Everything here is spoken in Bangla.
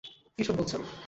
কি সব বলছেন?